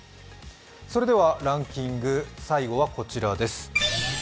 ランキング最後はこちらです。